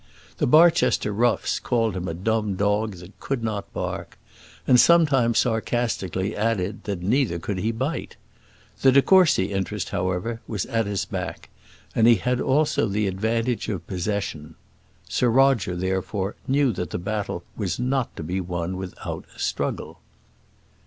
The Barchester roughs called him a dumb dog that could not bark, and sometimes sarcastically added that neither could he bite. The de Courcy interest, however, was at his back, and he had also the advantage of possession. Sir Roger, therefore, knew that the battle was not to be won without a struggle.